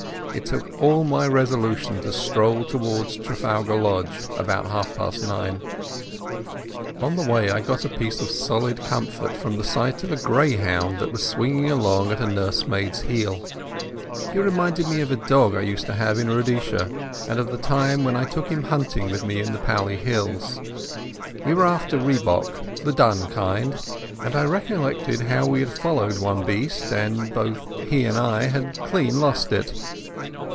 It took all my resolution to stroll towards Trafalgar Lodge about half past nine. On the way I got a piece of solid comfort from the sight of a greyhound that was swinging along at a nursemaid's heels. He reminded me of a dog I used to have in Rhodesia, and of the time when I took him hunting with me in the Pali hills. We were after rhebok, the dun kind, and I recollected how we had followed one beast, and both he and I had clean lost it.